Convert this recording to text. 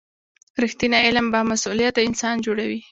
رښتینی علم بامسؤلیته انسان جوړوي.